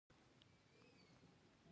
د اوبو زیرمې د انساني ژوند بنسټ دي.